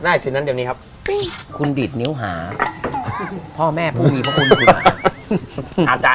เดี๋ยวนี้ครับคุณดิดนิ้วหาพ่อแม่ผู้มีของคุณคุณอ่ะอาจารย์